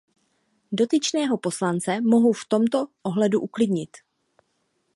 Dotyčného poslance mohu v tomto ohledu uklidnit.